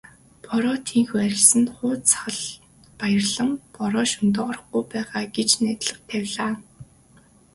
Бороо тийнхүү арилсанд хууз сахалт баярлан "Бороо шөнөдөө орохгүй байгаа" гэж найдлага тавилаа.